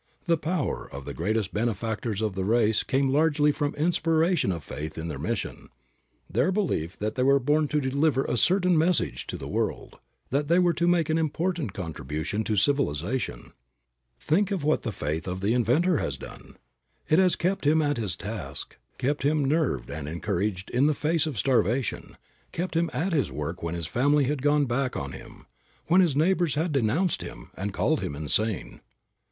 The power of the greatest benefactors of the race came largely from the inspiration of faith in their mission, their belief that they were born to deliver a certain message to the world, that they were to make an important contribution to civilization. Think of what the faith of the inventor has done! It has kept him at his task, kept him nerved and encouraged in the face of starvation, kept him at his work when his family had gone back on him, when his neighbors had denounced him, and called him insane.